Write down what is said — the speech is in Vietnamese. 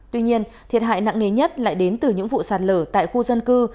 tuy nhiên thiệt hại nặng nề nhất lại đến từ những vụ sạt lở tại khu dân cư